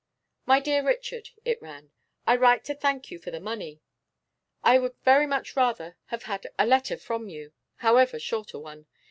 'My dear Richard,' it ran, 'I write to thank you for the money. I would very much rather have had a letter from you, however short a one.